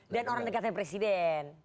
dan orang dekatnya presiden